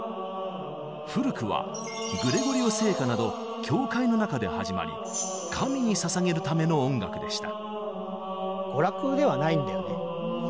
古くはグレゴリオ聖歌など教会の中で始まり神に捧げるための音楽でした。